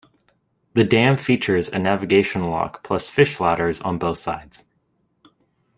The dam features a navigation lock plus fish ladders on both sides.